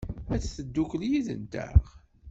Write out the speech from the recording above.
Ad teddukel yid-nteɣ?